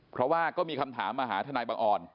เพราะว่าก็มีคำถามมาหาทนายบังออน